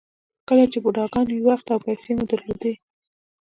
کله چې بوډاګان وئ وخت او پیسې مو درلودې.